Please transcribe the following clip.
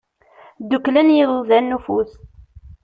Dduklen yiḍudan n ufus.